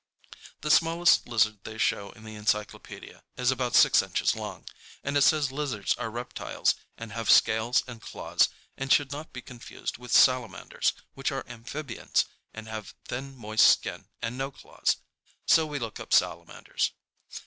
The smallest lizard they show in the encyclopedia is about six inches long, and it says lizards are reptiles and have scales and claws and should not be confused with salamanders, which are amphibians and have thin moist skin and no claws. So we look up salamanders.